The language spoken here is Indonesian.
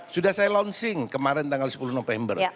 sudah saya launching kemarin tanggal sepuluh november